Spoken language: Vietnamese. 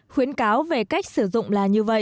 khuyến cáo về cách sử dụng là như vậy